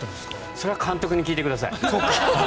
それは監督に聞いてください。